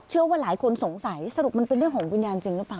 ว่าหลายคนสงสัยสรุปมันเป็นเรื่องของวิญญาณจริงหรือเปล่า